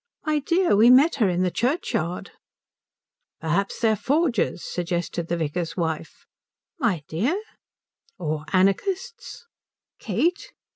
"My dear, we met her in the churchyard." "Perhaps they are forgers," suggested the vicar's wife. "My dear?" "Or anarchists." "Kate?"